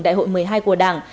đại hội một mươi hai của đảng